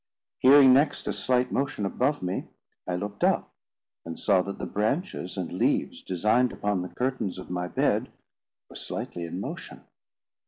Hearing next a slight motion above me, I looked up, and saw that the branches and leaves designed upon the curtains of my bed were slightly in motion.